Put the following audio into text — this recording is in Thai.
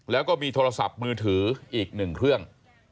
แล้วก็มีโทรศัพท์มือถืออีกหนึ่งเครื่อง